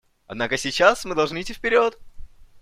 Однако сейчас мы должны идти вперед.